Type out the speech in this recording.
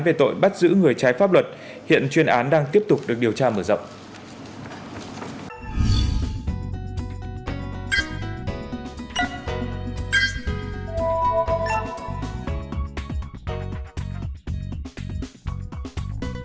về tội bắt giữ người trái pháp luật hiện chuyên án đang tiếp tục được điều tra mở rộng